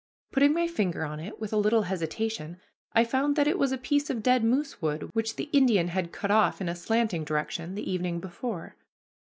Putting my finger on it, with a little hesitation, I found that it was a piece of dead moosewood which the Indian had cut off in a slanting direction the evening before.